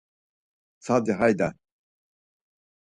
Tsadi hayde.